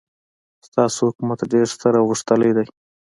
ستاسو حکومت ډېر ستر او غښتلی دی.